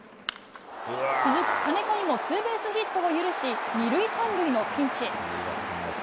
続く金子にもツーベースヒットを許し、２塁３塁のピンチ。